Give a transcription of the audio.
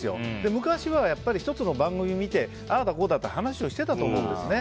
昔は、１つの番組を見てあーだこーだって話をしていたと思うんですね。